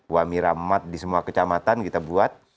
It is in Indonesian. wamira emat di semua kecamatan kita buat